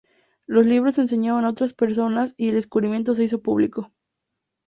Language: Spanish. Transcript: Los libros se enseñaron a otras personas y el descubrimiento se hizo público.